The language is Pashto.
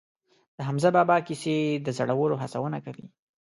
د حمزه بابا کیسې د زړورو هڅونه کوي.